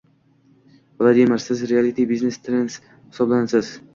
— Vladimir, siz “reality biznes-trener” hisoblanasiz.